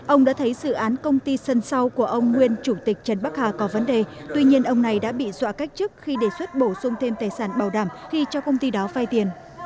ông đã thấy dự án công ty sân sau của ông nguyên chủ tịch trần bắc hà có vấn đề tuy nhiên ông này đã bị dọa cách chức khi đề xuất bổ sung thêm tài sản bảo đảm khi cho công ty đó phai tiền